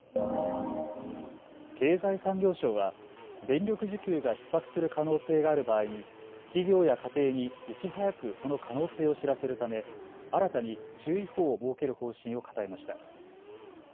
経済産業省は電力需給がひっ迫する可能性がある場合に企業や家庭にいち早くその可能性を知らせるため、新たに注意報を設ける方針を固めました。